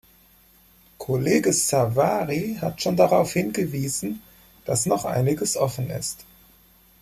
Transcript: Kollege Savary hat schon darauf hingewiesen, dass noch einiges offen ist.